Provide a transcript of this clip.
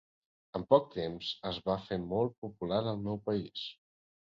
En poc temps es va fer molt popular al meu país.